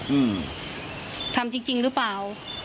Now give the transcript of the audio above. อืมทำจริงจริงหรือเปล่า